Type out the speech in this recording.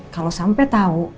kalau sampai tahu